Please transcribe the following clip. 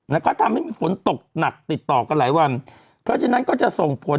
แล้วก็ทำให้มีฝนตกหนักติดต่อกันหลายวันเพราะฉะนั้นก็จะส่งผล